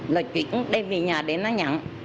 là chuyển đem về nhà để nó nhận